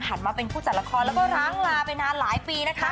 หันมาเป็นผู้จัดละครละก็ร่างลาไปนานหลายปี